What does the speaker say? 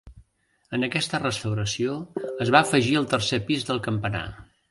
En aquesta restauració es va afegir el tercer pis del campanar.